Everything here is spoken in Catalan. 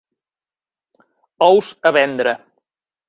Ous a vendre.